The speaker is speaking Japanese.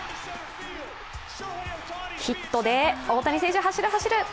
ヒットで大谷選手、走る走る。